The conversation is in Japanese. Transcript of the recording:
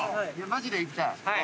マジで行きたい。